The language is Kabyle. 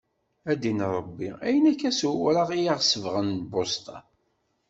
A ddin Ṛebbi ayen akka s uwraɣ i aɣ-sebɣen lbusṭa.